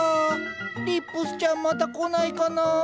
リップスちゃんまた来ないかな。